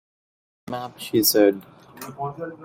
Mab, she said.